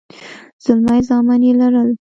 زلمي زامن يې لرل.